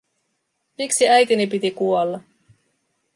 Miksi äitini piti kuolla?